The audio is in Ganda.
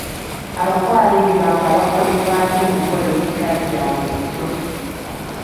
Abafu ab'ebibamba bakolebwako emikolo egitali gya bulijjo.